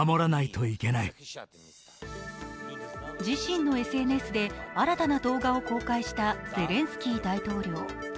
自身のＳＮＳで新たな動画を公開したゼレンスキー大統領。